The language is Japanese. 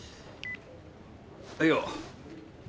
はいよ。